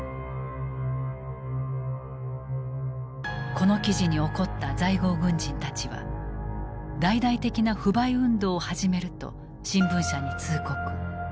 この記事に怒った在郷軍人たちは「大々的な不買運動を始める」と新聞社に通告。